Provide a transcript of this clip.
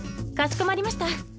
かしこまりました。